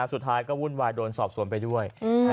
สุดท้ายก็วุ่นวายโดนสอบสวนไปด้วย